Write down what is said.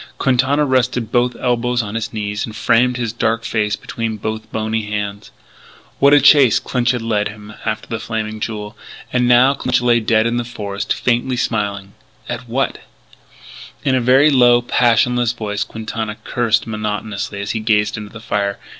Quintana rested both elbows on his knees and framed his dark face between both bony hands. What a chase Clinch had led him after the Flaming Jewel. And now Clinch lay dead in the forest faintly smiling. At what? In a very low, passionless voice, Quintana cursed monotonously as he gazed into the fire.